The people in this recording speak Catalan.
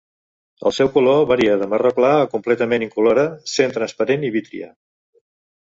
El seu color varia de marró clar a completament incolora, sent transparent i vítria.